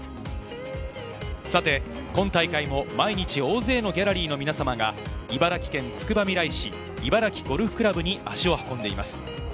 さて今大会も毎日大勢のギャラリーの皆様が茨城県つくばみらい市、茨城ゴルフ倶楽部に足を運んでいます。